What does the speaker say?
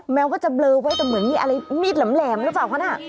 แมวก็จะเบลอไว้แต่เหมือนมีดแหลมหรือเปล่าครับน่ะ